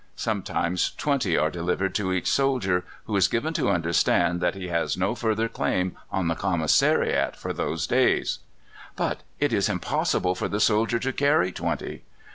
Sometimes twenty are delivered to each soldier, who is given to understand that he has no further claim on the commisariat for those days." "But it is impossible for the soldier to carry twenty."